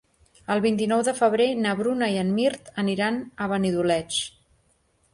El vint-i-nou de febrer na Bruna i en Mirt aniran a Benidoleig.